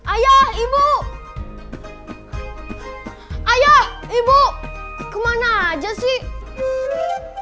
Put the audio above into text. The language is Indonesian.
ayah ibu ayo ibu kemana aja sih